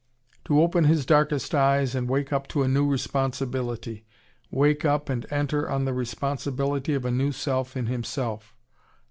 To open his darkest eyes and wake up to a new responsibility. Wake up and enter on the responsibility of a new self in himself.